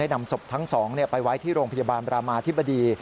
นำศพทั้งสองไปไว้ที่โรงพยาบาลบรามาธิบดี